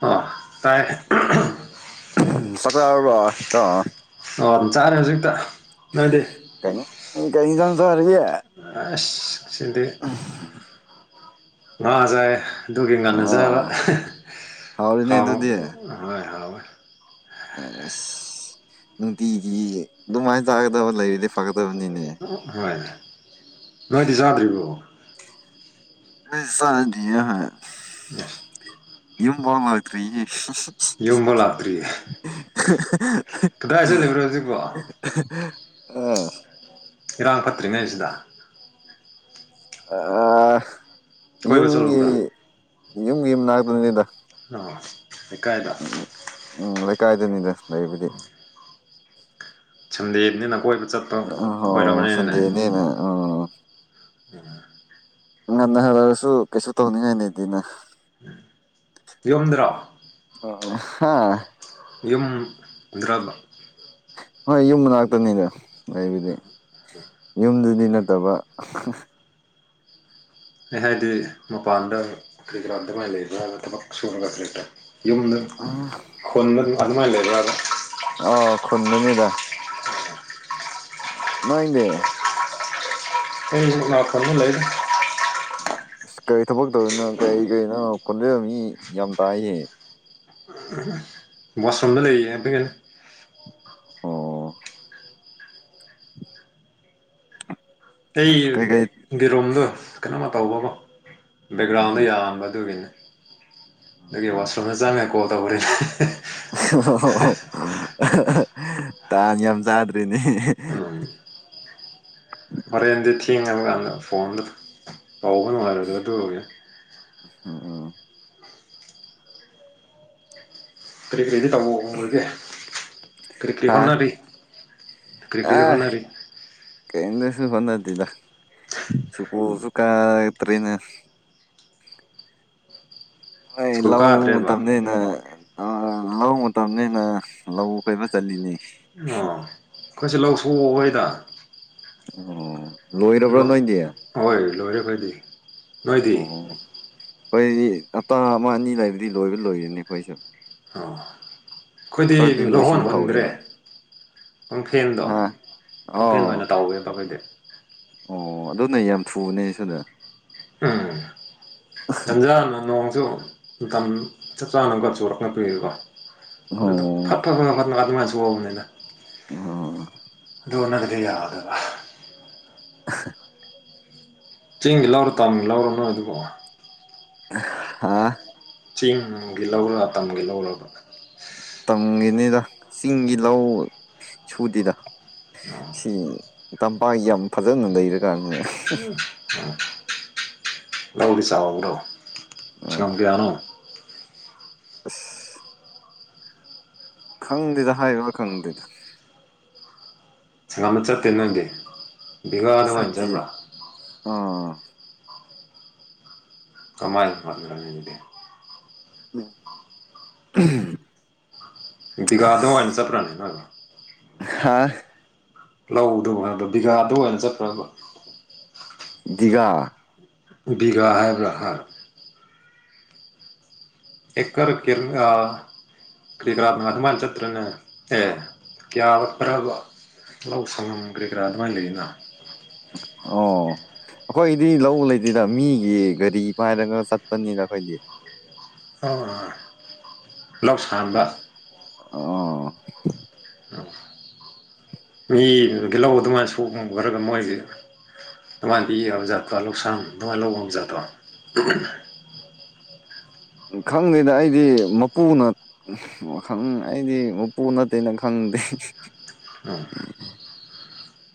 ꯑꯣ ꯇꯥꯏ ꯆꯥꯛ ꯆꯥꯔꯕꯣ ꯏꯇꯥꯎ [unintelligible] ꯑꯣ ꯆꯔ‌‌ꯦ ꯍꯧꯖꯤꯛꯇꯥ ꯅꯣꯏꯗꯤ ꯀꯩꯅ ꯎꯝ ꯀꯩ ꯏꯟꯖꯥꯡ ꯆꯥꯔꯒ‌ꯦ ꯑꯦꯁ ꯉꯁꯤꯗꯤ ꯉꯥ ꯆꯥꯏꯌ‌ꯦ ꯑꯗꯨꯒꯤ ꯉꯥꯟꯅꯖꯕꯥ ꯑꯥ ꯍꯥꯎꯔꯦꯅꯦ ꯍꯥꯎ ꯑꯗꯨꯗꯤ ꯍꯣꯏ ꯍꯥꯎ ꯑꯁ ꯅꯨꯡꯇꯤꯒꯤ ꯑꯗꯨꯃꯥꯏꯅ ꯆꯥꯒꯗꯕ ꯂꯩꯔꯤꯗꯤ ꯐꯒꯗꯕꯅꯤꯅꯦ ꯍꯣꯏ ꯅꯣꯏꯗꯤ ꯆꯥꯗ꯭ꯔꯤꯕꯣ ꯏꯁ ꯆꯗꯤꯌ‌ꯦ ꯍꯥꯏ [unintelligible] ꯌꯨꯝ ꯐꯥꯎ ꯂꯤꯛꯇꯔꯤꯌ‌ꯦ ꯌꯨꯝꯕꯨꯛ ꯂꯥꯛꯇ꯭ꯔꯤꯌꯦ ꯀꯗꯥꯏ ꯆꯠꯂꯤꯕ꯭ꯔꯣ ꯍꯧꯖꯤꯛꯕꯣ ꯑ [unintelligible] ꯏꯔꯥꯡ ꯐꯠꯇ꯭ꯔꯤꯉꯩꯁꯤꯗꯥ ꯑꯥ ꯀꯣꯏꯕ ꯌꯨꯝꯒꯤ ꯆꯠꯂꯨꯕ꯭ꯔꯥ ꯌꯨꯝꯒꯤ ꯃꯅꯥꯛꯇꯅꯤꯗꯥ ꯑꫭ ꯂꯩꯀꯥꯏꯗꯥ ꯎꯝ ꯂꯩꯀꯥꯏꯗꯅꯤꯅ ꯂꯩꯕꯗꯤ ꯁꯟꯗꯦꯅꯤꯅ ꯀꯣꯏꯕ ꯆꯠꯄꯤ ꯑꯣꯏꯔꯝꯅꯤꯅꯦ ꯁꯟꯗꯦꯅꯦꯅ ꯑ [unintelligible] ꯑꯣ [inaudible] ꯉꯟꯅꯥ ꯍꯥꯟꯂꯛꯑꯁꯨ ꯀꯩꯁꯨ ꯇꯧꯅꯤꯡꯉꯥꯏ ꯂꯩꯇꯦꯅꯥ ꯌꯨꯝꯗ꯭ꯔꯣ꯫ ꯑꯣ ꯍꯥ ꯌꯨꯝ ꯗ꯭ꯔꯕ꯫ ꯍꯣꯏ ꯌꯨꯝ ꯃꯅꯥꯛꯇꯅꯤꯗ ꯂꯩꯕꯨꯗꯤ ꯌꯨꯝꯗꯗꯤ ꯅꯠꯇꯕ꯫ ꯑꯩ ꯍꯥꯏꯗꯤ ꯃꯄꯥꯟꯗ ꯀ꯭ꯔꯤꯀꯔꯥ ꯗꯨꯃꯥꯏ ꯂꯩꯕ꯭ꯔꯥꯅ ꯊꯕꯛ ꯁꯨꯔꯒ ꯂꯩꯕ꯭ꯔ ꯌꯨꯝꯗ ꯈꯨꯟꯗꯗꯨ ꯑꯗꯨꯃꯥꯏꯅ ꯂꯩꯕ꯭ꯔꯕ ꯑꯣ ꯈꯨꯟꯗꯅꯤꯗ꯫ ꯅꯣꯏꯗꯤ꯫ ꯑꯩꯁꯨ ꯉꯥꯛꯇꯗ ꯂꯩ ꯑꯁ ꯀꯔꯤ ꯊꯕꯛ ꯇꯧꯋꯤꯅꯣ ꯀꯔꯤ ꯀꯔꯤꯅꯣ ꯀꯣꯟꯖꯦꯜ ꯃꯤ ꯌꯥꯝ ꯇꯥꯏꯌꯦ꯫ [inaudible] ꯋꯥꯁꯔꯨꯝꯗ ꯂꯩꯌꯦ [unintelligible] ꯑꯣ꯫ ꯑꯩ ꯑꯁ ꯀꯩꯀꯩ ꯒꯤꯔꯨꯝꯗꯣ ꯀꯩꯅꯣꯝꯃ ꯇꯧꯕꯀꯣ꯫ ꯕꯦꯛꯒ꯭ꯔꯥꯎꯟꯗ ꯌꯥꯝꯕ ꯑꯗꯨꯒꯤꯅꯦ꯫ ꯑꯗꯨꯒꯤ ꯋꯥꯁꯔꯣꯝꯗ ꯆꯪꯉ ꯀꯣꯜ ꯇꯧꯕꯅꯦ꯫ ꯑꯣ ꯇꯥꯟ ꯌꯥꯝ ꯆꯥꯗ꯭ꯔꯦꯅꯦ꯫ ꯎꯝ ꯍꯣꯔꯦꯟꯗꯤ ꯊꯦꯡꯉꯕ ꯀꯥꯟꯗ ꯐꯣꯟꯗ ꯇꯧꯕ ꯅꯨꯡꯉꯥꯏꯔꯣꯏꯗꯕ ꯑꯗꯨꯒꯤꯅꯤ꯫ ꯎꯝ꯫ ꯀꯔꯤ ꯀꯔꯤꯗꯤ ꯇꯧꯕ ꯍꯣꯡꯈ꯭ꯔꯒꯦ ꯀꯔꯤ ꯀꯔꯤ ꯍꯥ ꯍꯣꯠꯅꯔꯤ꯫ ꯀꯔꯤ ꯀꯔꯤ ꯍꯣꯠꯅꯔꯤ [inaudible] ꯀꯩꯝꯇꯁꯨ ꯍꯣꯠꯅꯗꯦꯗ ꯁ꯭ꯀꯨꯜ ꯀꯇꯔꯤꯅꯦ꯫ ꯅꯣꯏ ꯁ꯭ꯀꯨꯜ ꯂꯧ ꯀꯥꯗ꯭ꯔꯦꯕ ꯃꯇꯝꯅꯦ ꯂꯧ ꯃꯇꯝꯅꯤꯅ ꯂꯧ ꯀꯣꯏꯕ ꯆꯥꯠꯂꯤꯅꯤ꯫ ꯑꯣ ꯑꯩꯈꯣꯏꯁꯨ ꯂꯧ ꯁꯣꯛꯎꯈꯩꯗ ꯑꯣ ꯂꯣꯏꯔꯕ꯭ꯔꯣ ꯂꯣꯏ ꯅꯣꯏꯗꯤ꯫ ꯍꯣꯏ ꯂꯣꯏꯔꯦ ꯈꯣꯏꯗꯤ ꯅꯣꯏꯗꯤ꯫ ꯑꯣ ꯑꯩꯈꯣꯏꯗꯤ ꯍꯞꯇꯥ ꯑꯃ ꯑꯅꯤ ꯂꯩꯕꯗꯤ ꯂꯣꯏꯕ ꯂꯣꯏꯔꯤꯅꯤ ꯑꯩꯈꯣꯏꯁꯨ꯫ ꯑꯣ ꯑꯩꯈꯣꯏꯗꯤ ꯈꯔꯗꯤ ꯂꯧꯍꯣꯟ ꯂꯣꯏꯁꯤꯟꯕ ꯍꯨꯟꯗ꯭ꯔꯦ ꯍꯧꯔꯦꯕ ꯄꯥꯡꯐꯦꯟꯗꯣ ꯍꯥ ꯄꯥꯡꯐꯦꯟ ꯑꯣ ꯑꯣꯏꯅ ꯇꯧꯌꯦꯕꯈꯣꯏꯗꯤ꯫ ꯑꯣ ꯑꯗꯨꯅ ꯌꯥꯝ ꯊꯨꯕꯅꯦ ꯁꯤꯗ ꯎꯝ ꯇꯟꯖꯥꯅ ꯅꯣꯡꯁꯨ ꯃꯇꯝ ꯆꯞ ꯆꯥꯅꯒ ꯆꯨꯔꯛ ꯄꯤꯔꯤꯀꯣ ꯑꯗꯨꯗ ꯑꯣ ꯐꯠ ꯐꯠ ꯐ ꯐꯠꯅ ꯑꯗꯨꯃꯥꯏꯅꯁꯨꯍꯧꯕꯅꯤꯗ ꯎꯝ꯫ ꯑꯗꯨ ꯅꯠꯗꯒꯗꯤ ꯌꯥꯗꯕ ꯆꯤꯡꯒꯤ ꯂꯧꯔꯣ ꯇꯥꯝꯒꯤ ꯂꯧꯔ ꯅꯣꯏ ꯑꯗꯨꯕꯣ꯫ ꯍꯥ꯫ ꯆꯤꯡꯒꯤ ꯂꯧꯔ ꯇꯝꯒꯤ ꯂꯧꯔꯕ꯫ ꯇꯝꯒꯤꯅꯤꯗ ꯆꯤꯡꯒꯤ ꯂꯧ ꯁꯨꯗꯦꯗ ꯁꯤ ꯇꯝꯄꯥꯛ ꯌꯥꯝ ꯐꯖꯅ ꯂꯩꯔꯦ꯫ ꯎꯝ꯫ ꯂꯧꯗꯤ ꯆꯥꯎꯕ꯭ꯔꯣ ꯑꯥ ꯁꯉꯥꯝ ꯀꯌꯥꯅꯣ꯫ ꯑꯁ ꯈꯪꯗꯦꯗ ꯍꯥꯏ [unintelligible] ꯈꯪꯗꯦꯗ ꯁꯪꯉꯝꯗ ꯆꯠꯇꯦ ꯅꯪꯗꯤ ꯕꯤꯒꯥ ꯑꯗꯨꯃꯥꯏꯟ ꯆꯠꯇꯤ ꯆꯠꯕ꯭ꯔꯥ ꯑꯥ ꯀꯃꯥꯏ ꯍꯣꯠꯅꯔꯅꯤ ꯗꯨꯗꯤ ꯎꯝ ꯗꯤꯒꯥꯥꯗ ꯋꯥꯏꯅ ꯆꯠꯄ꯭ꯔꯥꯅꯦ ꯅꯣꯏꯕꯣ ꯍꯥꯥꯏ ꯂꯧꯗꯕꯨ ꯍꯥꯏꯕ ꯕꯤꯒꯥꯗ ꯑꯣꯏꯅ ꯆꯠꯄ꯭ꯔꯥꯕꯥ ꯗꯤꯒꯥ ꯕꯤꯒꯥ ꯍꯥꯏꯕ꯭ꯔꯥ ꯍꯥꯔ ꯑꯦꯀꯔ ꯀꯦꯝ ꯑꯥ ꯀꯔꯤ ꯀꯔꯥ ꯑꯗꯨꯃꯥꯏꯟ ꯆꯇ꯭ꯔꯅꯦ ꯍꯥꯏ ꯀꯌꯥ ꯄ꯭ꯔ ꯂꯧ ꯁꯪꯉꯝ ꯀ꯭ꯔꯤ ꯀ꯭ꯔꯥ ꯑꯗꯨꯃꯥꯏ ꯂꯩꯅꯥ ꯑꯣ ꯑꯩꯈꯣꯏꯗꯤ ꯂꯧ ꯂꯩꯇꯦꯗ ꯃꯤꯒꯤ ꯒꯥꯔꯤ ꯄꯥꯏꯔꯒ ꯆꯠꯄꯅꯤꯅ ꯑꯩꯈꯣꯏꯗꯤ ꯑꯣ ꯂꯧ ꯁꯥꯟꯕ ꯑꯣ ꯃꯤ ꯒꯤꯜꯂꯧ ꯃꯇꯨꯡ ꯑꯁꯨ ꯈꯔꯒ ꯃꯣꯏꯒꯤ [unintelligible] ꯂꯧꯁꯥꯟ ꯈꯪꯗꯦꯗ ꯑꯩꯗꯤ ꯃꯄꯨꯅ ꯋꯥꯈꯪ ꯑꯩꯗꯤ ꯃꯄꯨ ꯅꯠꯇꯦꯅ ꯈꯪꯗꯦ ꯑ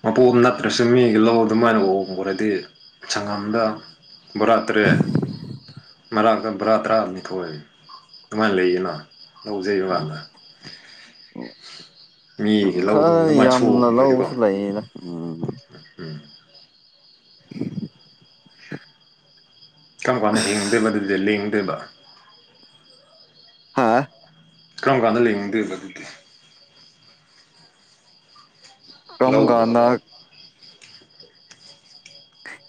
ꯃꯄꯨ ꯅꯠꯇ꯭ꯔꯁꯨ ꯃꯤꯒꯤ ꯂꯧ ꯑꯗꯨꯃꯥꯏꯟ ꯎꯕꯨ ꯎꯔꯗꯤ ꯁꯪꯉꯝꯗ ꯕꯣꯔꯥ ꯇ꯭ꯔꯦꯠ ꯃꯔꯥꯛꯇ ꯕꯣꯔꯥ ꯇꯔꯥꯅꯤꯊꯣꯏ ꯑꯗꯨꯃꯥꯏꯟ ꯂꯩꯌꯦꯅꯥ ꯂꯧ ꯖꯩꯕ ꯀꯥꯟꯗ ꯃꯤꯒꯤ ꯂꯧꯗꯨꯕꯨ [unintelligible] ꯐꯩꯗꯥ ꯎꯝ ꯎꯝ [inaudible] ꯀꯔꯝ ꯀꯥꯟꯗ ꯍꯦꯡꯗꯣꯏꯕ ꯑꯗꯨꯗ ꯂꯦꯡꯗꯣꯏꯕ ꯍꯥꯥ ꯀꯔꯝ ꯀꯥꯟꯗ ꯂꯤꯡꯗꯣꯏꯕ ꯑꯗꯨꯗꯤ ꯀꯝꯀꯥꯟꯗ ꯂꯧꯕꯕ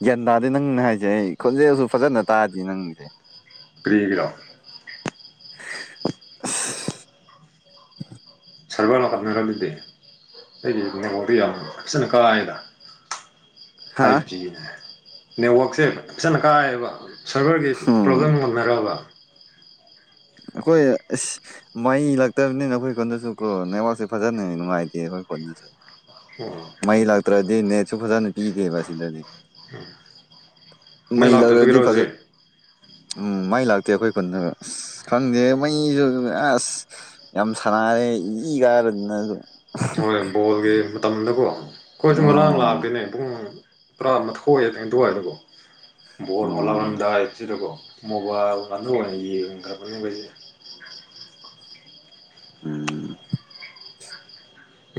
ꯒ꯭ꯌꯥꯟ ꯇꯥꯗꯦ ꯅꯪꯅ ꯍꯥꯏꯁꯦ ꯑꯩ ꯈꯣꯟꯖꯦꯜꯁꯨ ꯐꯖꯅ ꯇꯥꯗꯦ ꯅꯪꯒꯤꯁꯦ ꯀ꯭ꯔꯤꯒꯤꯔꯥ [unintelligible] ꯑꯩꯗꯤ ꯅꯦꯠꯋꯥꯔꯛꯗꯤ ꯌꯥꯝ ꯐꯖꯅ ꯀꯥꯏꯗꯥ ꯍꯥ ꯐꯥꯏꯚ ꯖꯤꯅꯦ ꯅꯦꯠꯋꯥꯛꯛꯁꯦ ꯐꯖꯅ ꯀꯥꯏꯌꯦꯕ ꯁꯔꯚꯔꯒꯤ ꯄ꯭ꯔꯣꯕ꯭ꯂꯦꯝ ꯎꯝ ꯅꯔꯥꯕ ꯑꯈꯣꯏ ꯑꯁ ꯃꯩ ꯂꯥꯛꯇꯕꯅꯤꯅ ꯑꯩꯈꯣꯏ ꯈꯨꯟꯗꯁꯨ ꯀꯣ ꯅꯦꯋꯥꯔꯛꯁꯦ ꯐꯖꯅ ꯅꯨꯡꯉꯥꯏꯇꯦꯕ ꯑꯩꯈꯣꯏ ꯈꯨꯟꯗꯁꯨ ꯑꯣ ꯃꯩ ꯂꯥꯛꯇ꯭ꯔꯗꯤ ꯅꯦꯠꯁꯨ ꯐꯖꯅ ꯄꯤꯗꯦꯕ ꯁꯤꯗꯗꯤ ꯃꯩ ꯂꯥꯛꯂꯗꯤ ꯂꯥꯛꯇꯕꯒꯤꯔꯣ ꯐꯖ ꯍꯧꯖꯤꯛ ꯎꯝ ꯃꯩ ꯂꯥꯛꯇꯦ ꯑꯩꯈꯣꯏ ꯈꯨꯟꯗ ꯑꯁ ꯈꯪꯗꯦ ꯃꯩꯁꯨ ꯑꯁ ꯌꯥꯝ ꯁꯥꯟꯅꯥꯔꯦ ꯏ ꯀꯥꯏꯔꯗꯅ ꯑꯗꯨ ꯍꯣꯏ ꯕꯣꯜꯒꯤ ꯃꯇꯝꯗꯀꯣ ꯑꯩꯈꯣꯏꯁꯨ ꯉꯔꯥꯡ ꯑꯣ ꯂꯥꯛꯇꯦꯅꯦ ꯄꯨꯡ ꯇꯔꯥ ꯃꯥꯊꯣꯏ ꯅꯤꯊꯣꯏ ꯑꯗꯀꯣ ꯕꯣꯜ ꯎꯝ ꯍꯣꯂꯔꯝꯗꯥꯏꯁꯤꯗꯀꯣ UNINTELLIGIBLE ꯎꯝ ꯎꯝ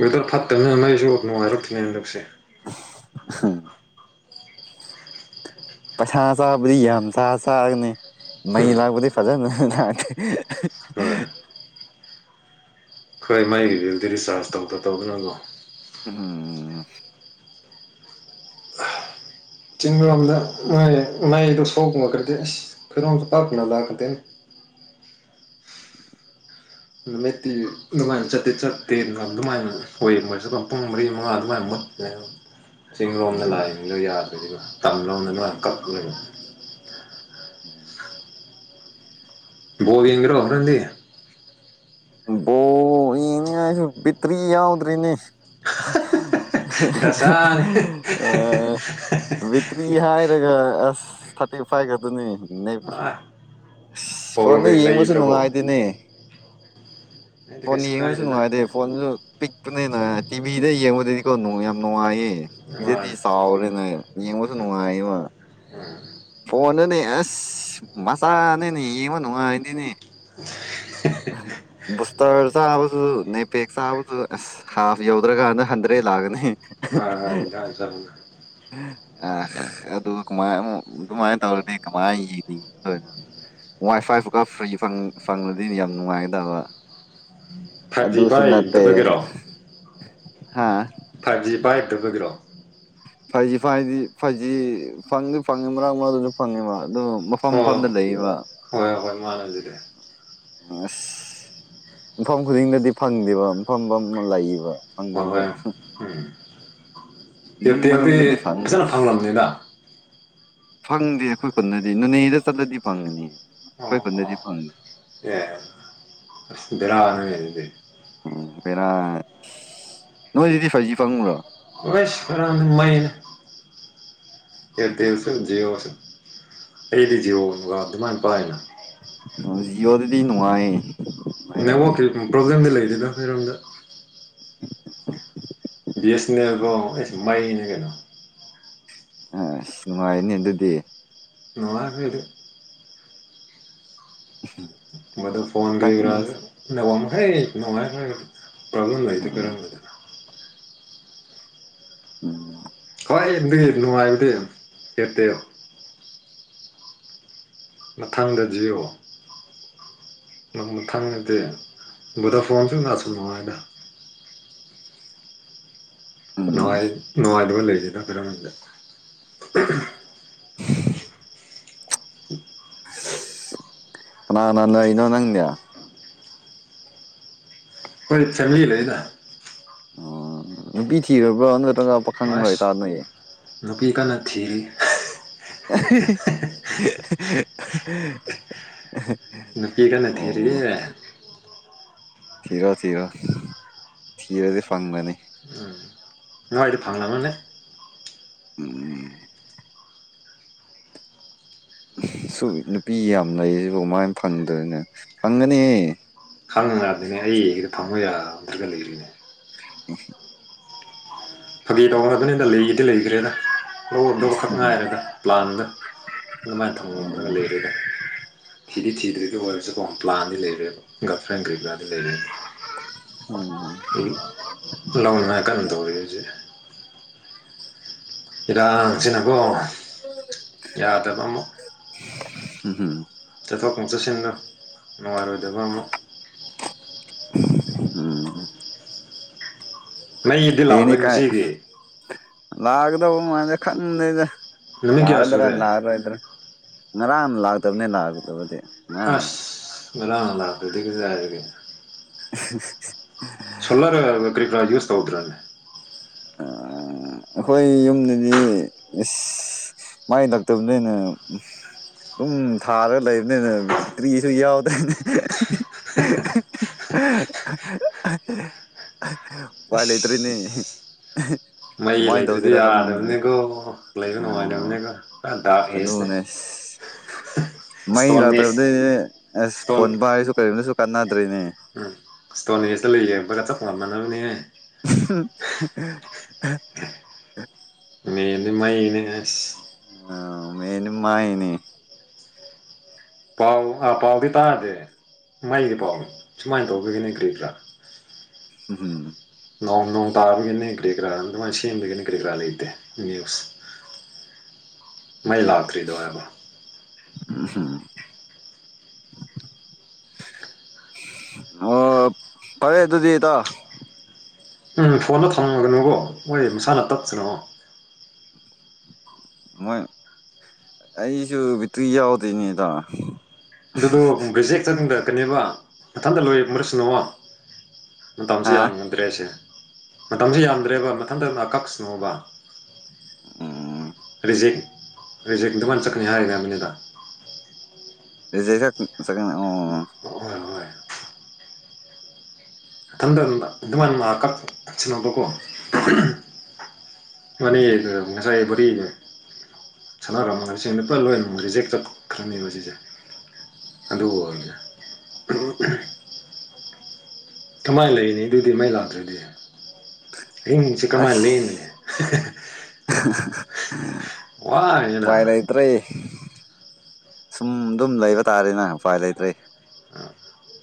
ꯋꯦꯗꯔ ꯐꯠꯇꯕꯅꯤꯅ ꯃꯩꯖꯨ ꯅꯨꯡꯉꯥꯏꯔꯛꯇꯦꯅꯦ ꯍꯟꯗꯛꯁꯦ INAUDIBLE ꯄꯩꯁꯥ ꯆꯥꯕꯗꯤ ꯌꯥꯝ ꯆꯥ ꯆꯥꯒꯅꯤ ꯃꯩ ꯎꯝ ꯂꯥꯛꯄꯗꯤ ꯐꯖꯅ ꯂꯥꯛꯀꯅꯤ ꯍꯣꯏ ꯈꯣꯏ ꯃꯩꯒꯤ ꯕꯤꯜꯗꯤ ꯔꯤꯆꯥꯔꯖ ꯇꯧꯗ ꯇꯧꯗꯅꯪꯉꯣ INAUDIBLE UNINTELLIGIBLE ꯅꯨꯃꯤꯠꯇꯤ ꯑꯗꯨꯃꯥꯏꯅ ꯆꯠꯇꯤ ꯆꯠꯇꯦ ꯅꯍꯥꯟ ꯑꯗꯨꯃꯥꯏꯅ ꯑꯣꯏ ꯌꯦꯡꯉꯁꯦ ꯄꯨꯡ ꯃꯔꯤ ꯃꯉꯥ ꯑꯗꯨꯃꯥꯏꯅ ꯃꯨꯠꯂꯦ INAUDIBLE ꯆꯤꯡ ꯂꯣꯝꯗ ꯂꯥꯛꯏꯝꯅꯤꯅ ꯌꯥꯗꯦ ꯑꯗꯨꯒ ꯇꯝꯂꯣꯝꯗ ꯀꯛꯂꯨꯔꯅꯤ ꯎꯪ UNINTELLIGIBLE ꯕꯣꯜ ꯌꯦꯡꯅꯤꯡꯉꯥꯏꯖꯨ ꯕꯤꯠꯇ꯭ꯔꯤ ꯌꯥꯎꯗ꯭ꯔꯤꯅꯦ ꯗꯁꯥꯅꯤ ꯑꯥꯑ ꯕꯤꯠꯇ꯭ꯔꯤ ꯍꯥꯏꯔꯒ ꯑꯥꯁ ꯊꯥꯔꯇꯤ ꯐꯥꯏꯚ ꯈꯛꯇꯅꯤ ꯑꯥ ꯄꯋꯥꯔ ꯐꯣꯟꯗ ꯕꯦꯡ ꯌꯦꯡꯕꯖꯨ ꯂꯩꯗ꯭ꯔꯕꯣ ꯅꯨꯡꯉꯥꯏꯗꯨꯅꯦ ꯑꯩꯗꯤ ꯐꯣꯟ ꯀꯩꯁꯨ ꯌꯦꯡꯕꯖꯨ ꯀꯥꯏꯗꯦꯗ ꯅꯨꯡꯉꯥꯏꯗꯦꯕ ꯐꯣꯟꯖꯨ ꯄꯤꯛꯄꯅꯤꯅ ꯇꯤꯚꯤꯗ ꯌꯦꯡꯕꯗꯗꯤꯀꯣ ꯌꯥꯝ ꯅꯨꯡꯉꯥꯏꯌꯦ ꯏꯗꯗꯤ ꯆꯥꯎꯔꯦꯅꯦ ꯌꯦꯡꯕꯖꯨ ꯅꯨꯡꯉꯥꯏꯃ INAUDIBLE ꯐꯣꯟꯅꯅꯦ ꯑꯥꯁ ꯃꯆꯥꯅꯤꯅꯦ ꯌꯦꯡꯕ ꯅꯨꯡꯉꯥꯏꯇꯦꯅꯦ INAUDIBLE ꯑꯍꯥ ꯕꯨꯁꯇꯔ ꯆꯥꯕꯗꯨ ꯅꯩ ꯄꯦꯛ ꯆꯥꯕꯗꯨ ꯑꯥꯁ ꯍꯥꯐ ꯌꯧꯗ꯭ꯔꯀꯥꯟꯗ ꯍꯟꯗ꯭ꯔꯦꯠ ꯂꯥꯛꯀꯅꯤ ꯐꯥꯏꯚ ꯑꯥ ꯑꯗꯨ ꯀꯨꯃꯥꯏꯃꯨꯛ ꯑꯗꯨꯃꯥꯏꯅ ꯇꯧꯔꯗꯤ ꯀꯃꯥꯏꯅ ꯌꯦꯡꯅꯤ ꯍꯣꯏ ꯋꯥꯏ ꯐꯥꯏ ꯐꯀ ꯐ꯭ꯔꯤ ꯐꯪꯂꯗꯤ ꯌꯥꯝ ꯅꯨꯡꯉꯥꯏꯒꯗꯕ ꯖꯤ ꯑꯗꯨꯁꯨ ꯅꯠꯇꯦ ꯄꯥꯏꯗꯕꯒꯤꯔꯣ ꯍꯥ UNINTELLIGIBLE ꯐꯥꯏꯐꯖꯤ ꯐꯥꯏꯗꯤ ꯐꯥꯏꯐꯖꯤ ꯐꯪꯗꯤ ꯐꯪꯉꯤ ꯃꯔꯛ ꯃꯔꯛꯇꯖꯨ ꯐꯪꯉꯦꯕ ꯑꯗꯨ ꯐꯝ ꯐꯝꯗ ꯑꯣ ꯂꯩꯌꯦꯕ ꯍꯣꯏ ꯍꯣꯏ ꯃꯥꯅꯦ ꯑꯗꯨꯗꯤ ꯎꯪ ꯑꯥꯁ ꯃꯐꯝ ꯈꯨꯗꯤꯡꯗꯗꯤ ꯐꯪꯗꯦꯕ ꯐꯝꯐꯝꯃ ꯂꯩꯌꯦꯕ ꯐꯪꯉꯤꯕ ꯎꯪ ꯌꯨꯝ ꯃꯅꯨꯡꯗꯗꯤ ꯐꯪꯉꯤ ꯐꯪꯗꯤꯌꯦ ꯑꯩꯈꯣꯏ ꯈꯨꯟꯗꯗꯤ ꯅꯣꯅꯦꯗ ꯆꯠꯂꯗꯤ ꯐꯪꯉꯅꯤ ꯑꯩꯈꯣꯏ ꯈꯨꯟꯗꯗꯤ ꯐꯪꯗꯦ ꯁꯦꯁ ꯑꯥꯁ ꯕꯦꯔꯥꯅꯦ ꯅꯣꯏꯗꯨꯗꯤ ꯎꯪ ꯕꯦꯔꯥ ꯅꯣꯏꯗꯗꯤ ꯐꯥꯏꯐꯖꯤ ꯐꯪꯕ꯭ꯔꯣ ꯍꯣꯏꯁ ꯐꯔꯝꯅꯤ ꯃꯩꯅ UNINTELLIGIBLE ꯑꯥ ꯖꯤꯑꯣꯗꯨꯗꯤ ꯅꯨꯡꯉꯥꯏꯌꯦ ꯅꯦꯠꯋꯥꯛꯀꯤ ꯑꯥ ꯄ꯭ꯔꯣꯕ꯭ꯂꯦꯝꯗꯤ ꯂꯩꯗꯅ ꯈꯣꯢꯔꯣꯝꯗ ꯕꯤꯑꯦꯁꯅꯦꯜ ꯀꯣ ꯏꯁ ꯃꯩꯅꯤ ꯀꯩꯅꯣ ꯑꯥ ꯑꯥꯁ ꯅꯨꯡꯉꯥꯏꯔꯅꯤ ꯑꯗꯨꯗꯤ ꯃꯍꯥꯕꯤꯔ [unintelligible] ꯐꯣꯟ ꯎꯝ [unintelligible] ꯅꯨꯡꯉꯥꯏ [unintelligible] ꯄꯣꯕ꯭ꯂꯦꯝ ꯂꯩꯇꯦ ꯀꯔꯝꯕꯗꯅꯣ ꯎꯝ ꯑꯩꯗꯤ ꯅꯨꯡꯉꯥꯏꯔꯤ ꯀꯦꯠꯇꯦ ꯃꯊꯪꯗ ꯖꯤꯑꯣ ꯅꯪ ꯈꯪꯗꯦ ꯚꯣꯗ ꯐꯣꯟꯁꯨ ꯅꯥꯁꯨ ꯅꯨꯡꯉꯥꯏꯅ ꯎꯝ ꯅꯨꯡꯉꯥꯏ ꯅꯨꯡꯉꯥꯏꯗꯕ ꯂꯩꯇꯦꯗ ꯑꯩꯈꯣꯏꯔꯣꯝꯗꯗꯤ [unintelligible] ꯀꯅꯥꯅ ꯅꯣꯏꯔꯤꯅꯣ ꯅꯪꯒꯤꯗꯣ ꯍꯣꯏ ꯆꯅꯤ ꯂꯩꯅ ꯑꯣ ꯅꯨꯄꯤ ꯊꯤꯔꯕ꯭ꯔꯣ ꯅꯠꯇ꯭ꯔꯒ ꯄꯥꯈꯪꯂ ꯑꯁ ꯏꯇꯥꯥ ꯅꯣꯏ ꯅꯨꯄꯤ ꯀꯟꯅ ꯊꯤꯔꯤ [unintelligible] [unintelligible] ꯅꯨꯄꯤ ꯀꯟꯅ ꯊꯤꯔꯤꯌꯦ ꯑꯣ ꯊꯤꯔꯣ ꯊꯤꯔꯣ ꯊꯤꯔꯗꯤ ꯐꯪꯕꯅꯤ ꯎꯝ ꯅꯣꯏꯗꯤ ꯐꯪꯂꯝꯃꯅꯤ ꯎꯝ ꯁꯨ ꯅꯨꯄꯤ ꯌꯥꯝ ꯂꯩꯁꯤꯕꯨ ꯀꯃꯥꯏꯟ ꯐꯪꯗꯣꯏꯅꯣ ꯐꯪꯒꯅꯤꯍꯦ ꯈꯪꯗꯔꯝꯅꯤꯅ ꯑꯩ ꯐꯪꯕ ꯌꯥꯗ꯭ꯔꯒ ꯂꯩꯔꯤꯅꯦ ꯎꯝ ꯐꯥꯒꯤ ꯇꯧꯕꯅꯤꯗ ꯂꯩꯗꯤ ꯂꯩꯈ꯭ꯔꯦꯗ ꯂꯨꯍꯣꯡꯗꯧ ꯈꯛ ꯎꯝ ꯉꯥꯏꯔꯦꯗ ꯄ꯭ꯂꯥꯟꯗ ꯑꯗꯨꯃꯥꯏꯟ ꯊꯝꯈꯔꯒ ꯂꯩꯔꯦꯗ ꯊꯤꯗꯤ ꯊꯤꯗ꯭ꯔꯤ ꯑꯗꯨ ꯑꯣꯏꯔꯁꯨꯀꯣ ꯄ꯭ꯂꯥꯟꯗꯤ ꯂꯩꯔꯦꯕ ꯒꯜ ꯐꯦꯟ ꯀꯩꯀꯥꯗꯤ ꯂꯩꯔꯦꯕ [unintelligible] ꯂꯧꯅꯉꯥꯏ ꯀꯟ ꯇꯧꯔꯤ ꯍꯧꯖꯤꯛ ꯏꯔꯥꯡꯁꯤꯅꯀꯣ ꯌꯥꯗꯕ ꯑꯃꯨꯛ ꯆꯠꯊꯣꯛꯀ ꯆꯠꯁꯤꯟꯒ ꯅꯨꯡꯉꯥꯏꯔꯣꯏꯗꯕ ꯑꯃꯨꯛ ꯎꯝ ꯃꯩꯗꯤ ꯍꯥꯌꯡꯦꯗꯤ ꯂꯥꯛꯂꯣꯏ ꯀꯥꯏ ꯉꯁꯤꯒꯤ ꯂꯥꯛꯀꯗꯩꯕ ꯃꯥꯟꯗꯦ ꯈꯪꯗꯦꯗ ꯅꯨꯃꯤꯠ ꯀꯌꯥ ꯂꯥꯛꯀꯗ꯭ꯔꯥ ꯁꯨꯔꯦ ꯂꯥꯛꯑꯣꯏꯗ꯭ꯔꯥ ꯉꯔꯥꯡ ꯂꯥꯛꯇꯕꯅꯦ ꯂꯥꯛꯗꯕꯗꯤ ꯑꯁ ꯉꯔꯥꯡ ꯂꯥꯛꯇꯗꯤ ꯀꯔꯥꯏꯗꯒꯤ [unintelligible] ꯁꯣꯂꯔ ꯀꯔꯤꯀꯔꯥ ꯌꯨꯁ ꯇꯧꯗ꯭ꯔꯥꯅꯦ [unintelligible] ꯑꯩꯈꯣꯏ ꯌꯨꯝꯗꯗꯤ ꯑꯁ ꯃꯩ ꯂꯥꯛꯇꯕꯅꯤꯅ ꯑꯗꯨꯝ ꯊꯥꯜꯂꯒ ꯂꯩꯕꯅꯤꯅ ꯀ꯭ꯔꯤꯁꯨ ꯌꯥꯎꯗ꯭ꯔꯅꯦ [unintelligible] ꯋꯥ ꯑꯁ ꯂꯩꯇ꯭ꯔꯦꯅꯦ [unintelligible] ꯃꯩ ꯂꯩꯇ꯭ꯔꯗꯤ ꯈꯪꯗ꯭ꯔꯦ ꯌꯥꯗꯕꯅꯤꯀꯣ ꯂꯩꯕ ꯅꯨꯡꯉꯥꯏ ꯑꯣ ꯇꯥꯕꯅꯦꯕ ꯗꯥꯛ ꯑꯦꯁꯅꯦ ꯑꯗꯨꯅꯦ ꯑꯁ ꯃꯩ ꯑꯦꯖ ꯂꯥꯛꯇꯕꯗꯩꯗꯤ ꯑꯁ ꯏꯁꯇꯣꯟ ꯐꯣꯟ ꯄꯥꯏꯔꯁꯨ ꯀꯔꯤꯃꯠꯇꯁꯨ ꯀꯥꯟꯅꯗ꯭ꯔꯦꯅꯦ ꯎꯝ ꯏꯁ꯭ꯇꯣꯅꯦꯖꯇ ꯂꯩꯕꯒ ꯆꯞ ꯃꯥꯟꯅꯔꯝꯅꯤꯍꯦ [inaudible] ꯃ‌ꯦꯟꯗꯤ ꯃꯩꯩꯅꯤꯍ‌ꯦ ꯑ ꯃꯦꯟ ꯃꯥꯥꯏꯅꯤ ꯄꯥꯎ ꯍꯥ ꯄꯥꯎꯗꯤ ꯇꯥꯗꯦ ꯃꯩꯒꯤ ꯄꯥꯎ ꯁꯨꯃꯥꯏꯅ ꯇꯧꯒꯅꯤ ꯀ꯭ꯔꯤ ꯀꯔꯥ ꯍꯨꯝ ꯍꯨꯝ ꯅꯣꯡ ꯅꯣꯡ ꯇꯥꯕꯒꯤꯅꯦ ꯀꯔꯤ ꯀꯔꯥ ꯑꯗꯨꯃꯥꯏꯅ ꯁꯦꯝꯕꯒꯦꯅꯦ ꯀꯔꯤ ꯀꯔꯥ ꯂꯩꯇꯦ ꯅ꯭ꯌꯨꯁ [inaudible] ꯃꯥꯏ ꯂꯥꯛꯇ꯭ꯔꯤꯗꯣ ꯍꯥꯏꯕ ꯎꯝ ꯍꯝ ꯑꯣ ꯐꯔꯦ ꯑꯗꯨꯗꯤ ꯏꯇꯥꯎ ꯎꯝ ꯐꯣꯟꯗꯣ ꯊꯝꯒꯅꯨꯀ‌ꯣ ꯍꯣꯏ ꯃꯁꯥꯅ ꯇꯠꯁꯅ‌ꯣ ꯃꯣꯏ ꯑꯩꯁꯨ ꯕꯤꯇ꯭ꯔꯤ ꯌꯥꯎꯗ‌ꯦꯅ‌ꯦ ꯏꯇꯥꯎ ꯑꯗꯨꯗꯣ ꯕ꯭ꯔꯤꯖꯦꯛ ꯆꯪꯊꯔꯛꯀꯅꯦꯕ ꯃꯊꯟꯇ ꯂꯣꯏꯔꯝꯈ꯭ꯔꯁꯅꯨꯕ ꯃꯇꯝꯁꯤ ꯍꯥ ꯌꯥꯝ ꯗ꯭ꯔꯦꯁꯦ ꯃꯇꯝꯁꯨ ꯌꯥꯝꯗ꯭ꯔꯦꯕ ꯃꯊꯟꯇꯅ ꯀꯛꯁꯅꯣꯕ ꯎꯝ ꯔꯤꯖꯦꯛ ꯔꯤꯖꯦꯛ ꯑꯗꯨꯃꯥꯏꯅ ꯆꯠꯀꯅꯤ ꯍꯥꯏꯔ ꯃꯃꯤꯅꯤꯗ ꯔꯤꯖ‌ꯦꯛ ꯆꯠ ꯆꯠꯀꯅꯤ ꯑꯣ [inaudible] ꯏꯊꯟꯊꯗ ꯑꯗꯨꯃꯥꯏꯅ ꯃꯥ ꯀꯛ ꯁꯟꯅ‌ꯣꯕꯀꯣ [unintelligible] [unintelligible] ꯁꯥꯟꯅꯔꯝꯃꯒꯁ ꯂꯨꯄꯥ ꯂꯣꯏꯅꯃꯛ ꯔꯤꯖꯦꯛ ꯆꯠꯈ꯭ꯔꯅꯤꯕ ꯁꯤꯁꯦ ꯑꯗꯨ ꯑꯣꯏꯔꯗꯤ ꯀꯃꯥꯏꯅ ꯂꯩꯔꯤꯅꯤ ꯑꯗꯨꯗꯤ ꯃꯩ ꯂꯥꯛꯇ꯭ꯔꯗꯤ ꯔꯤꯡꯁꯦ ꯀꯃꯥꯏꯅ ꯑꯁ ꯂ‌ꯦꯡꯒꯅꯦ [unintelligible] ꯋꯥꯔꯅꯤꯅ‌ꯦ ꯅꯪ [unintelligible] ꯁꯨꯝ ꯑꯗꯨꯝ ꯂꯩꯕ ꯇꯥꯔꯦꯅꯦ ꯎꯄꯥꯏ ꯂꯩꯇ꯭ꯔꯩ [inaudible]